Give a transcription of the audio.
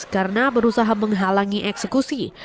karena berusaha menghalangi eksekusi